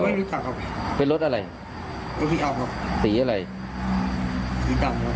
ไม่รู้จักครับเป็นรถอะไรตีอะไรตีตัน